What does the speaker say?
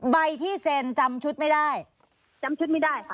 อ๋อใบที่เซ็นจำชุดไม่ได้